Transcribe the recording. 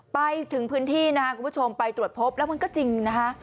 ไปถึงพื้นที่นะครับคุณผู้ชมไปตรวจพบแล้วมันก็จริงนะคะ